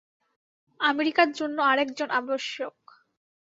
আমেরিকার জন্য আর একজন আবশ্যক।